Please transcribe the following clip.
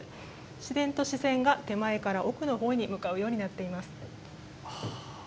自然と視線が手前から奥のほうに向かうようになっています。